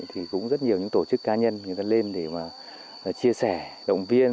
thì cũng rất nhiều những tổ chức cá nhân người ta lên để mà chia sẻ động viên